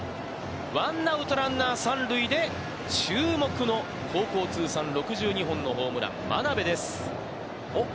ワンアウト、ランナー三塁で、注目の高校通算６２本のホームラン、真鍋です。